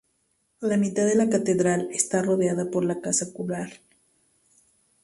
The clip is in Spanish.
La mitad de la catedral está rodeada por la casa cural.